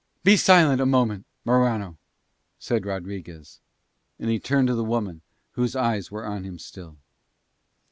"Be silent a moment, Morano," said Rodriguez, and he turned to the woman whose eyes were on him still.